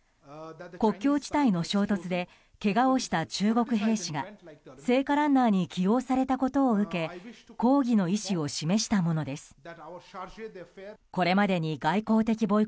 国境地帯の衝突でけがをした中国兵士が聖火ランナーに起用されたことを受け抗議の意思を示したものです。